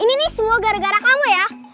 ini nih semua gara gara kamu ya